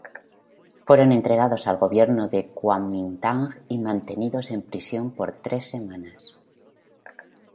Fueron entregados al gobierno del Kuomintang y mantenidos en prisión por tres semanas.